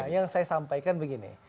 yang saya sampaikan begini